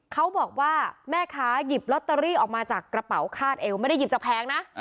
เขาบอกว่าแม่ค้าหยิบลอตเตอรี่ออกมาจากกระเป๋าคาดเอวไม่ได้หยิบจากแพงนะ